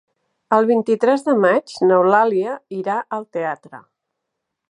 El vint-i-tres de maig n'Eulàlia irà al teatre.